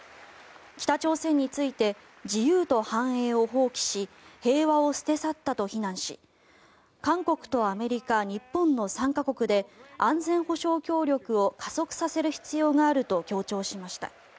北朝鮮について自由と繁栄を放棄し平和を捨て去ったと非難し韓国とアメリカ、日本の３か国で安全保障協力を加速させる必要があると強調しました。